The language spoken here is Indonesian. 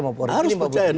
tidak ada pilihan lain